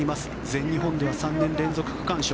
全日本では３年連続区間賞。